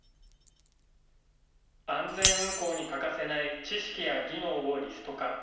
安全運航に欠かせない知識や技能をリスト化。